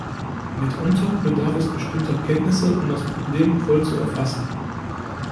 Mitunter bedarf es bestimmter Kenntnisse, um das Problem voll zu erfassen.